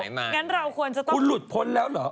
ได้คุณหลุดพ้นแล้วเหรอ